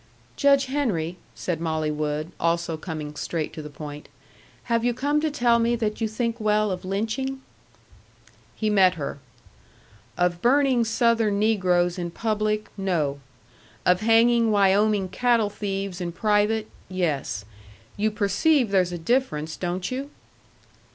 "Judge Henry," said Molly Wood, also coming straight to the point, "have you come to tell me that you think well of lynching?" He met her. "Of burning Southern negroes in public, no. Of hanging Wyoming cattle thieves in private, yes. You perceive there's a difference, don't you?"